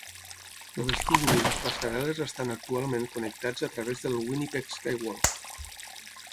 El vestíbul i les passarel·les estan actualment connectats a través del Winnipeg Skywalk.